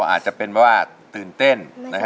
อาจสงสัยเป็นว่าตื่นเต้น